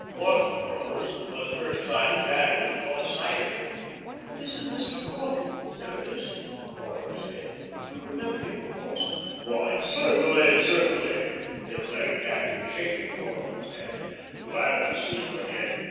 Corthell rose, and for the first time Jadwin caught sight of him. "This is Mr. Corthell, Curtis," Laura said. "You remember him, of course?" "Why, certainly, certainly," declared Jadwin, shaking Corthell's hand. "Glad to see you again.